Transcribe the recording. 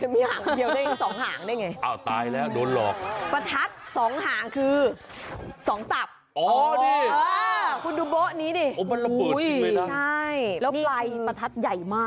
อุ้ยแล้วไพรประทัดใหญ่มาก